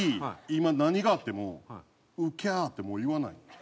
今何があっても「うきゃっ」ってもう言わない。